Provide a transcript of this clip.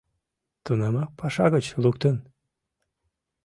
— Тунамак паша гыч луктын?